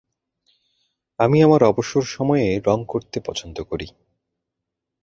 আমি আমার অবসর সময়ে রং করতে পছন্দ করি।